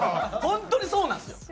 本当にそうなんですよ。